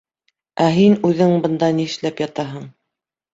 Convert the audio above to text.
Ә һин үҙең бында ни эшләп ятаһың?